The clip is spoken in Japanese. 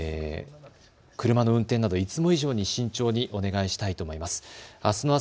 車の運転などいつも以上に慎重にお願いしたいと思います。